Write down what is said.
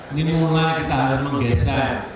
ini mulai kita harus menggesa